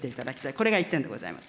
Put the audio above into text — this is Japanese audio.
これが１点でございます。